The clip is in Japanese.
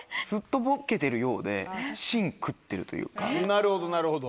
なるほどなるほど。